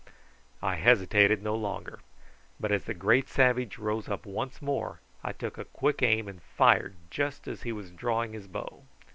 I hesitated no longer, but as the great savage rose up once more I took a quick aim and fired just as he was drawing his bow.